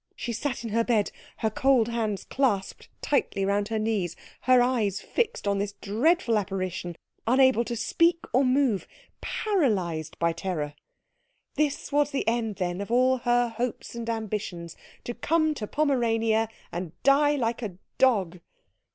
She sat in her bed, her cold hands clasped tightly round her knees, her eyes fixed on this dreadful apparition, unable to speak or move, paralysed by terror. This was the end, then, of all her hopes and ambitions to come to Pomerania and die like a dog.